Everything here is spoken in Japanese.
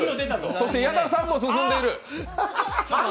そして矢田さんも進んでいる。